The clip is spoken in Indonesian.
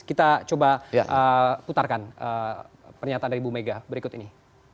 kita coba putarkan pernyataan dari bu mega berikut ini